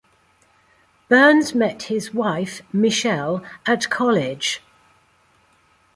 Burns met his wife, Michelle, at college.